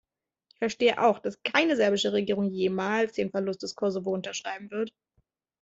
Ich verstehe auch, dass keine serbische Regierung jemals den Verlust des Kosovo unterschreiben wird.